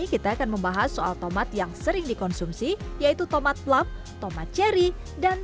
kita akan membahas soal tomat yang sering dikonsumsi yaitu tomat plump tomat cherry dan